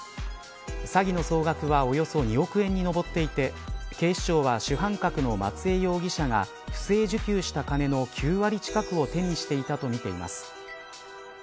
詐欺の総額はおよそ２億円に上っていて警視庁は主犯格の松江容疑者が不正受給した金の９割近くを手にしたとみています。